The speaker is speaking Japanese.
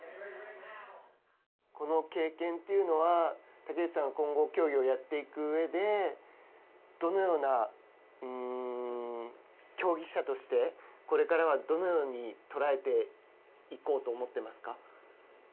この経験というのは竹内さん今後競技をやっていくうえでどのような競技者としてこれからは、どのように捉えていこうと思っていますか？